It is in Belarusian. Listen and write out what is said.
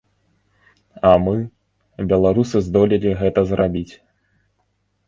А мы, беларусы здолелі гэта зрабіць.